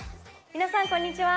皆さんこんにちは。